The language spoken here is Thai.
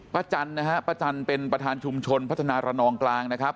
จันทร์นะฮะป้าจันทร์เป็นประธานชุมชนพัฒนาระนองกลางนะครับ